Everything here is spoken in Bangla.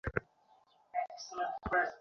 ও পাঁচ টাকাও উশুল রয়ে রৈল, আমার টাকা দেখবো না!